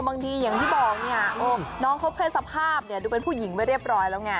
บางทีอย่างที่บอกน้องเขาเพศภาพดูเป็นผู้หญิงไปเรียบร้อยแล้วไง